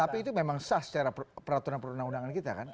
tapi itu memang sah secara peraturan perundang undangan kita kan